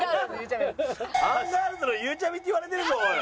アンガールズのゆうちゃみって言われてるぞおい！